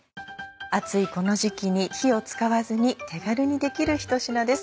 暑いこの時期に火を使わずに手軽にできる一品です。